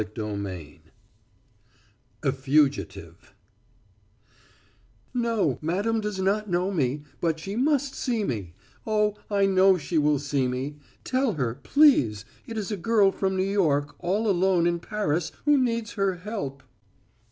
CHAPTER VI A FUGITIVE "No, madam does not know me; but she must see me. Oh, I know she will see me. Tell her, please, it is a girl from New York all alone in Paris who needs her help."